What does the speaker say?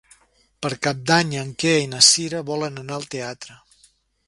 Per Cap d'Any en Quer i na Cira volen anar al teatre.